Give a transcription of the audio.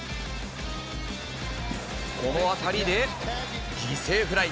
この当たりで、犠牲フライ。